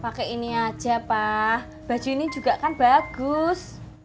pakai ini aja pak baju ini juga kan bagus